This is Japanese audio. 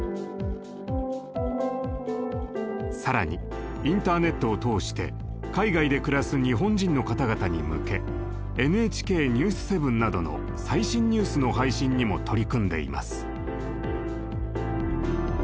更にインターネットを通して海外で暮らす日本人の方々に向け「ＮＨＫニュース７」などの最新ニュースの配信にも取り組んでいます。